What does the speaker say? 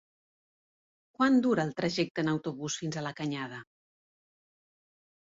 Quant dura el trajecte en autobús fins a la Canyada?